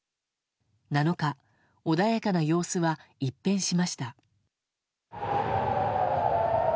７日、穏やかな様子は一変しました。